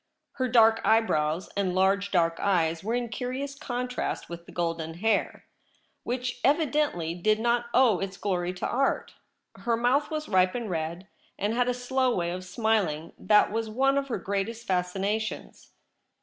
Her dark eyebrows and large dark eyes w^ere in curious con trast with the golden hair, which evidently did not owe its glory to art. Her mouth was ripe and red, and had a slow way of smiling that was one of her oreatest fascinations.